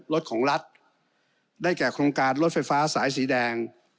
รถของรัฐได้แก่โครงการรถไฟฟ้าสายสีแดง